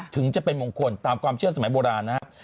ถึงจะเป็นมงคลตามความเชื่อสมัยโบราณนะครับ